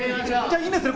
いいんですね？